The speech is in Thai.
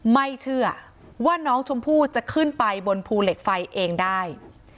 ไม่เชื่อว่าน้องชมพู่จะขึ้นไปบนภูเหล็กไฟเองได้